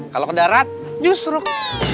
kalau ke darat justru